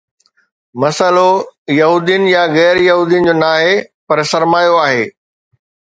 مسئلو يهودين يا غير يهودين جو ناهي، پر سرمايو آهي.